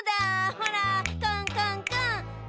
ほらコンコンコン！